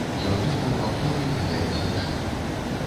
Ён думаў аб долі гэтае дзяўчыны.